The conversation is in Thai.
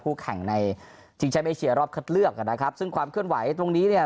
แข่งในชิงแชมป์เอเชียรอบคัดเลือกนะครับซึ่งความเคลื่อนไหวตรงนี้เนี่ย